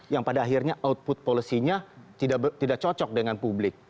yang pada akhirnya output policy nya tidak cocok dengan publik